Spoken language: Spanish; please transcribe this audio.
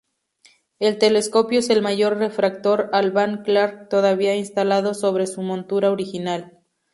El telescopio es el mayor refractor Alvan Clark todavía instalado sobre su montura original.